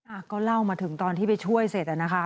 อ่ะก็เล่ามาถึงตอนที่ไปช่วยเสร็จอ่ะนะคะ